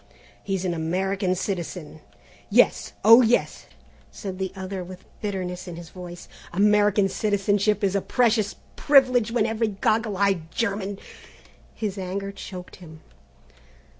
"He's an American citizen." "Yes, oh yes," said the other with bitterness. "American citizenship is a precious privilege when every goggle eyed German " His anger choked him.